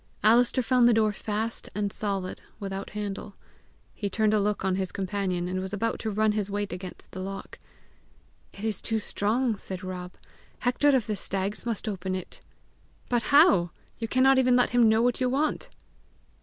Alister found the door fast and solid, without handle. He turned a look on his companion, and was about to run his weight against the lock. "It is too strong," said Rob. "Hector of the Stags must open it!" "But how? You cannot even let him know what you want!"